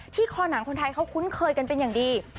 คอหนังคนไทยเขาคุ้นเคยกันเป็นอย่างดี